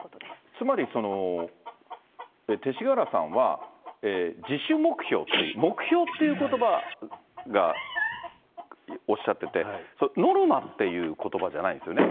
つまり、勅使河原さんは、自主目標って、目標っていうことばがおっしゃってて、ノルマっていうことばじゃないんですよね。